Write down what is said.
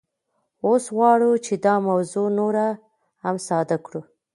اوس غواړو چې دا موضوع نوره هم ساده کړو